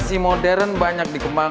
sebentar aja kok bang